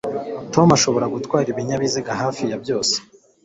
Tom ashobora gutwara ibinyabiziga hafi ya byose